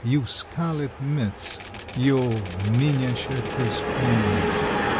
you Scarlet Mitts! You miniature "Kriss Kringle!"